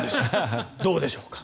どうでしょうか。